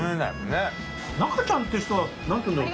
中ちゃんっていう人は何て言うんだろう？